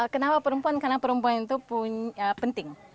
kenapa perempuan karena perempuan itu penting